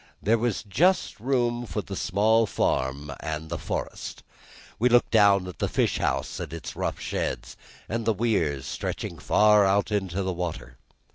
There was just room for the small farm and the forest; we looked down at the fish house and its rough sheds, and the weirs stretching far out into the water.